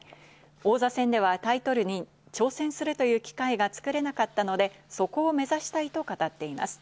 王座戦ではタイトルに挑戦するという機会が作れなかったので、そこを目指したいと語っています。